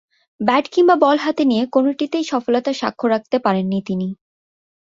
Bat কিংবা ball হাতে নিয়ে কোনটিতেই সফলতার স্বাক্ষর রাখতে পারেননি তিনি।